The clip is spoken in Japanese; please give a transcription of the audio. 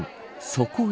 そこへ。